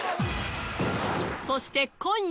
そして今夜。